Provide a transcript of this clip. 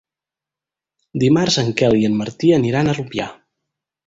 Dimarts en Quel i en Martí aniran a Rupià.